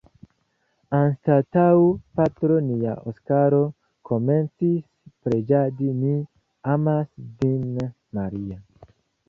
Anstataŭ “Patro nia Oskaro komencis preĝadi Mi amas vin, Maria.